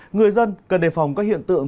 người dân cần đề phòng các hiện tượng